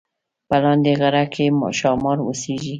په لاندې غره کې ښامار اوسیږي